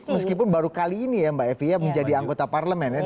meskipun baru kali ini ya mbak evi ya menjadi anggota parlemen ya